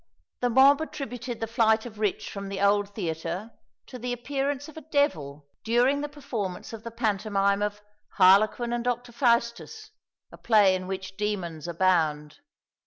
The mob attributed the flight of Rich from the old theatre to the appearance of a devil during the performance of the pantomime of "Harlequin and Dr. Faustus," a play in which demons abound.